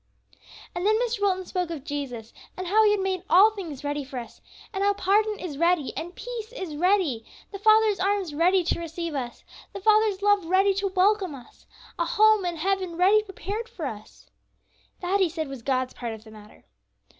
And then Mr. Wilton spoke of Jesus, and how he had made all things ready for us; and how pardon is ready and peace is ready; the Father's arms ready to receive us; the Father's love ready to welcome us; a home in heaven ready prepared for us. That, he said, was God's part of the matter.